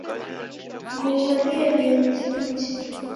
Nguwo rielie ni suti.